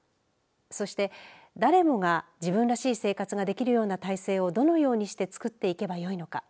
そして、誰もが自分らしい生活ができるような体制をどのようにして作っていけばよいのか。